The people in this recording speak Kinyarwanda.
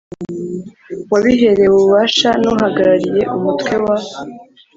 wabiherewe ububasha n uhagarariye umutwe wa